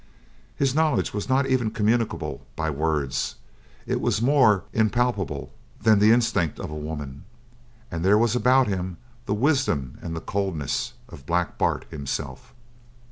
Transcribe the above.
His knowledge was not even communicable by words; it was more impalpable than the instinct of a woman; and there was about him the wisdom and the coldness of Black Bart himself.